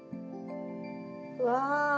うわ！